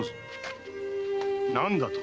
何だと？